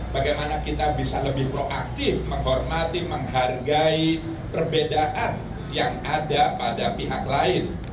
bagaimana kita bisa lebih proaktif menghormati menghargai perbedaan yang ada pada pihak lain